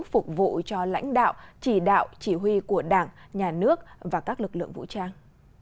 phục vụ cho lãnh đạo chỉ đạo chỉ huy của đảng nhà nước và các lực lượng vũ trang